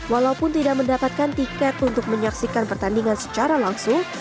walaupun tidak mendapatkan tiket untuk menyaksikan pertandingan secara langsung